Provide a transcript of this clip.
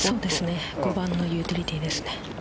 ５番のユーティリティーですね。